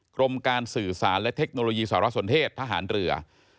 กรมการสื่อสารและเทคโนโลยีสารสนเทศทหารเรือ